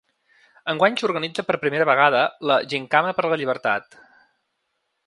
Enguany s’organitza per primera vegada la ‘Gimcana per la Llibertat’.